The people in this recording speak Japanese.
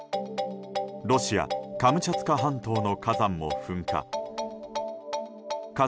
ロシア・カムチャツカ半島の火山も噴火。